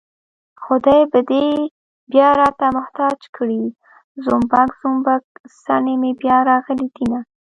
خدای به دې بيا راته محتاج کړي زومبک زومبک څڼې مې بيا راغلي دينه